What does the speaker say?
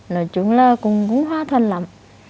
nói chung là cũng hòa thuận lắm